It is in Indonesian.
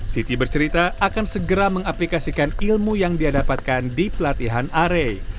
siti bercerita akan segera mengaplikasikan ilmu yang dia dapatkan di pelatihan are